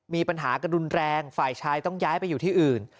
มีปัญหากระดุนแรงฝ่ายชายต้องย้ายไปอยู่ที่อื่น